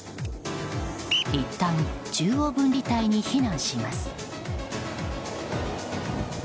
いったん中央分離帯に避難します。